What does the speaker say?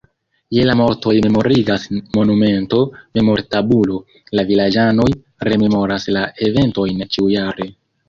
Je la mortoj memorigas monumento, memortabulo, la vilaĝanoj rememoras la eventojn ĉiujare.